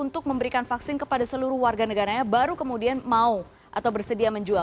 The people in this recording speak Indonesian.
untuk memberikan vaksin kepada seluruh warga negaranya baru kemudian mau atau bersedia menjual